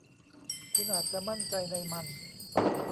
คุณอาจจะมั่นใจในมัน